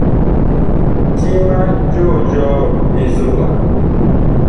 Ti ma joo jɔɔ li nzoɓan.